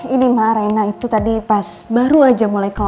ini ma rena itu tadi pas baru aja mulai kelas